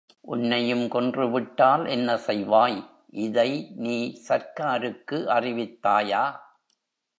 உன்னையும் கொன்றுவிட்டால் என்ன செய்வாய், இதை, நீ சர்க்காருக்கு அறிவித்தாயா?